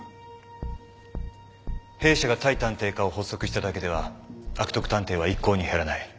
弊社が対探偵課を発足しただけでは悪徳探偵は一向に減らない。